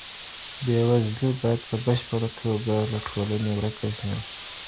بېوزلي باید په بشپړه توګه له ټولني ورکه سي.